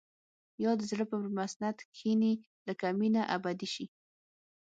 يا د زړه پر مسند کښيني لکه مينه ابدي شي.